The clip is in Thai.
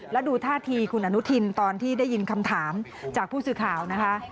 แล้วดูท่าทีคุณอนุทินตอนที่ได้ยินคำถามจากผู้สื่อข่าวนะคะ